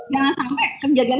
jangan sampai kebijakan